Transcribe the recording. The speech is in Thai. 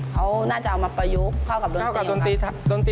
เค้าน่าจะเอามาประยุกต์เข้ากับโรนตีเหรอคะ